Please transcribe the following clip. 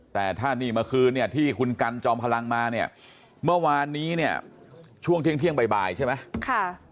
แต่ถ้านี่เมื่อคืนเนี่ยที่คุณกันจอมพลังมาเนี่ยเมื่อวานนี้เนี่ยช่วงเที่ยงบ่ายใช่ไหม